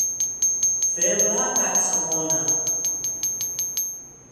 Fer la catxamona.